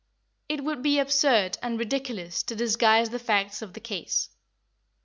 It would be absurd and ridiculous to disguise the facts of the case.